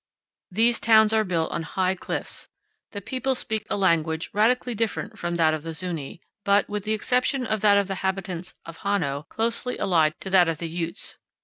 These towns are built on high cliffs. The people speak a language radically different from that of the Zuñi, but, with the exception of that of the inhabitants of Hano, closely allied to that of the Utes.